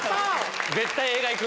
絶対映画行く。